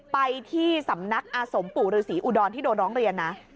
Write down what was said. ไปที่สำนักอาสมปู่ฤษีอุดรที่โดนร้องเรียนนะ